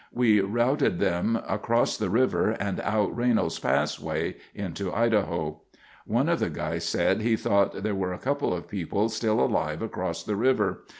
We routed them across the river and out Raynolds Pass way into Idaho. "One of the guys said he thought there were a couple of people still alive across the river.